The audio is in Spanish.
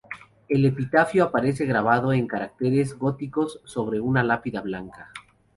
El epitafio aparece grabado en caracteres góticos sobre una lápida blanca.